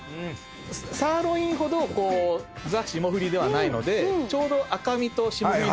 サーロインほどザ・霜降りではないのでちょうど赤身と霜降りのいいバランスの部位かなと。